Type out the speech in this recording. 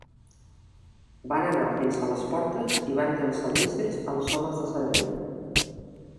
Van anar fins a les portes i van llançar míssils als homes de servei.